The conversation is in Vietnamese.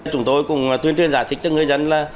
chúng tôi cũng tuyên truyền giải thích cho người dân là